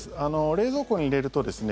冷蔵庫に入れるとですね